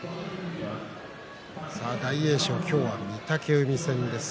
大栄翔、今日は御嶽海戦です。